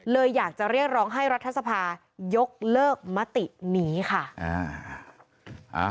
อยากจะเรียกร้องให้รัฐสภายกเลิกมตินี้ค่ะ